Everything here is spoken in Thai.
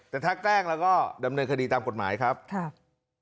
แต่ถ้าแกล้งแล้วก็ดำเนินคดีตามกฎหมายครับค่ะ